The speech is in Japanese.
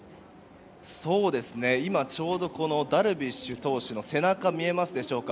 今、ちょうどダルビッシュ投手の背中見えますでしょうか。